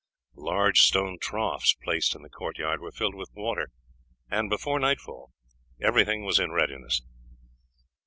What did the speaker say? Large stone troughs placed in the court yard were filled with water, and before nightfall everything was in readiness.